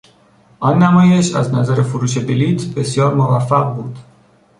آن نمایش از نظر فروش بلیط بسیار موفق بود.